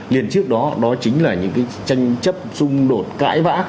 liền trước đó đó chính là những cái tranh chấp xung đột cãi vã